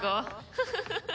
フフフフ！